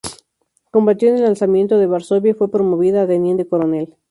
Combatió en el Alzamiento de Varsovia y fue promovida a Teniente Coronel.